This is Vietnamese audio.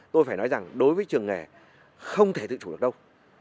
tôi phải nói rằng đối với trường nghề không thể tự chủ được đâu